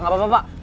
gak apa apa pak